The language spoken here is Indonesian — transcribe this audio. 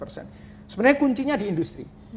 sebenarnya kuncinya di industri